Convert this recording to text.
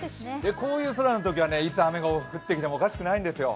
こういう空のときはいつ雨が降ってきてもおかしくないんですよ。